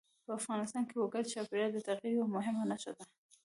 په افغانستان کې وګړي د چاپېریال د تغیر یوه مهمه نښه ده.